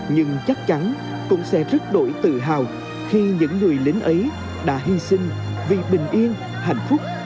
nhưng chắc chắn cũng sẽ rất đổi tự hào khi những người lính ấy đã hy sinh vì bình yên hạnh phúc của nhân dân